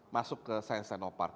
masuk ke science sino park